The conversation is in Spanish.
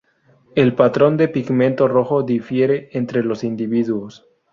El patrón de pigmento rojo difiere entre los individuos.